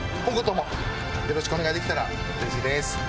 今後ともよろしくお願いできたらうれしいです。